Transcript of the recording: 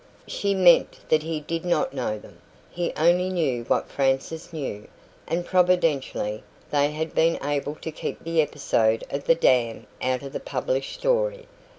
She meant that he did not know them. He only knew what Frances knew, and providentially they had been able to keep the episode of the dam out of the published story.